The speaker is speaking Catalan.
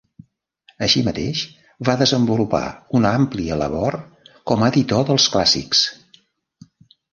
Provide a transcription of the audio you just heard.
Així mateix, va desenvolupar una àmplia labor com a editor dels clàssics.